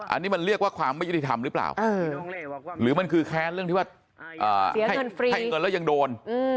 อันนี้มันเรียกว่าความไม่ยุติธรรมหรือเปล่าหรือมันคือแค้นเรื่องที่ว่าให้เงินแล้วยังโดน